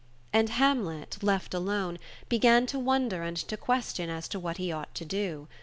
And Hamlet, left alone, began to wonder and to question as to wliat he ought to do.